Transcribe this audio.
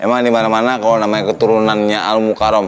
emang di mana mana kalau namanya keturunannya al mukarram